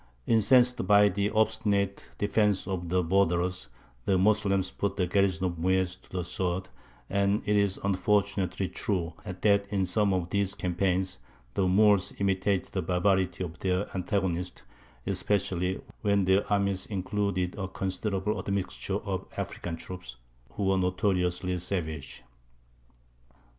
Incensed by the obstinate defence of the borderers, the Moslems put the garrison of Muez to the sword; and it is unfortunately true that in some of these campaigns the Moors imitated the barbarities of their antagonists, especially when their armies included a considerable admixture of African troops, who were notoriously savage.